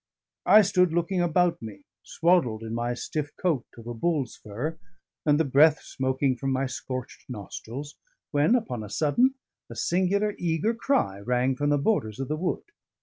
I stood looking about me, swaddled in my stiff coat of a bull's fur, and the breath smoking from my scorched nostrils, when, upon a sudden, a singular, eager cry rang from the borders of the wood.